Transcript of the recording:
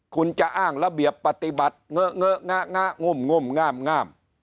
คุณจะอ้างระเบียบปฏิบัติเงอะเงอะงะงะงมงาม